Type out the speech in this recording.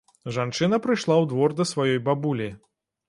Жанчына прыйшла ў двор да сваёй бабулі.